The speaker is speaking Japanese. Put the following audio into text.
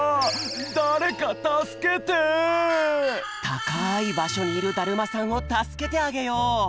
たかいばしょにいるだるまさんをたすけてあげよう！